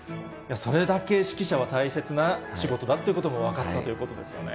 それだけ指揮者は大切な仕事だっていうことが分かったということですよね。